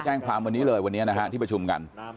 แจ้งความวันนี้เลยวันนี้นะฮะที่ประชุมกัน